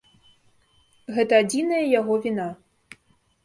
Гэта адзіная яго віна.